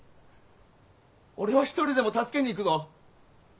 俺は一人でも助けに行くぞ。